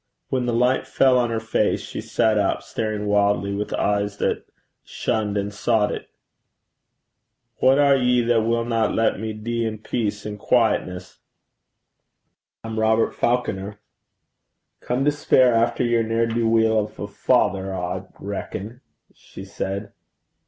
When the light fell on her face she sat up, staring wildly with eyes that shunned and sought it. 'Wha are ye that winna lat me dee in peace and quaietness?' 'I'm Robert Falconer.' 'Come to speir efter yer ne'er do weel o' a father, I reckon,' she said.